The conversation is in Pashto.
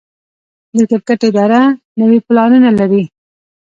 د کرکټ اداره نوي پلانونه لري.